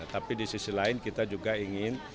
tapi di sisi lain kita juga ingin